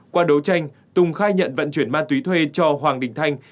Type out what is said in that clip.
qua đấu tranh tùng khai nhận vận chuyển ma túy thuê cho hoàng đình thanh